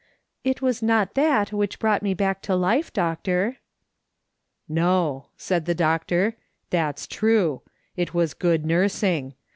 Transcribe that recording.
It was not that which brought me back to life, doctor." " No," said the doctor, " that's true. It was good nursing.